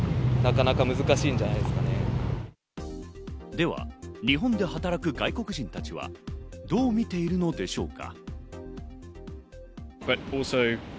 では日本で働く外国人たちは、どう見ているのでしょうか？